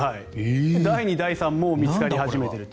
第２、第３も見つかり始めていると。